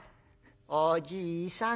「おじいさん